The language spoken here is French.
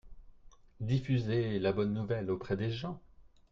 Diffuser la bonne nouvelle auprès des gens.